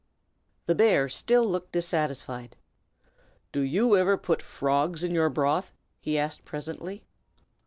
The bear still looked dissatisfied. "Do you ever put frogs in your broth?" he asked, presently.